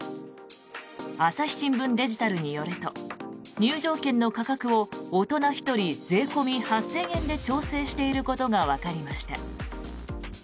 朝日新聞デジタルによると入場券の価格を大人１人、税込み８０００円で調整していることがわかりました。